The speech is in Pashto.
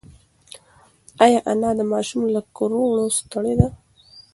ایا انا د ماشوم له کړو وړو ستړې ده؟